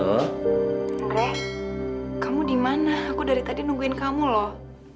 eh kamu dimana aku dari tadi nungguin kamu loh